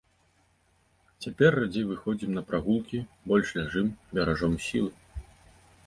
Цяпер радзей выходзім на прагулкі, больш ляжым, беражом сілы.